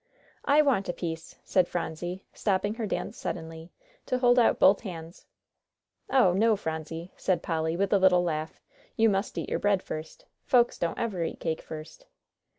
"I want a piece," said Phronsie, stopping her dance suddenly, to hold out both hands. "Oh, no, Phronsie," said Polly, with a little laugh, "you must eat your bread first. Folks don't ever eat cake first."